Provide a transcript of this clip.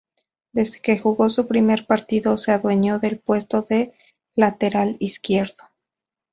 Desde que jugó su primer partido se adueñó del puesto de lateral izquierdo.